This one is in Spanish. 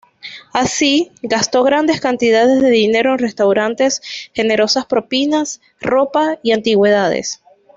Así, gastó grandes cantidades de dinero en restaurantes, generosas propinas, ropa y antigüedades.